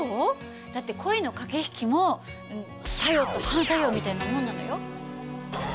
だって恋の駆け引きも作用と反作用みたいなもんなのよ。